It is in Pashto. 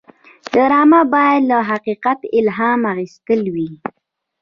ډرامه باید له حقیقت الهام اخیستې وي